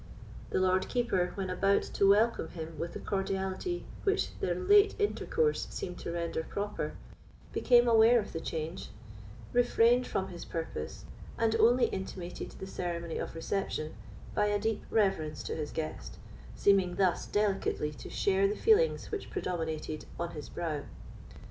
The Lord Keeper, when about to welcome him with the cordiality which their late intercourse seemed to render proper, became aware of the change, refrained from his purpose, and only intimated the ceremony of reception by a deep reverence to his guest, seeming thus delicately to share the feelings which predominated on his brow.